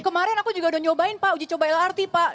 kemarin aku juga udah nyobain pak uji coba lrt pak